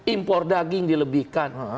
impor daging dilebihkan